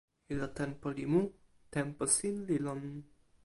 ilo tenpo li mu. tenpo sin li lon.